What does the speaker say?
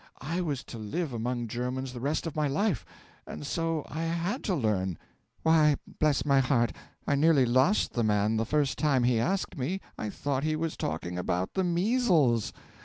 I was to live among Germans the rest of my life; and so I had to learn. Why, bless my heart! I nearly lost the man the first time he asked me I thought he was talking about the measles.